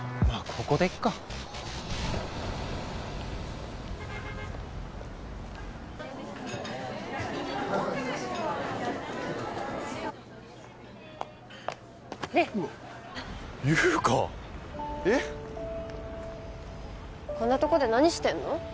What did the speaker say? こんなとこで何してるの？